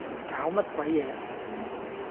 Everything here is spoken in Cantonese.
搞乜鬼嘢